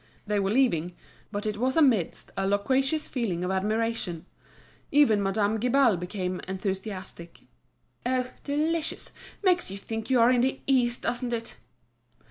They were leaving, but it was amidst a loquacious feeling of admiration. Even Madame Guibal became enthusiastic. "Oh! delicious! makes you think you are in the East; doesn't it?"